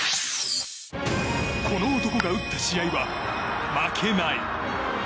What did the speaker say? この男が打った試合は負けない。